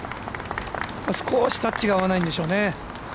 少しタッチが合わないんでしょうね。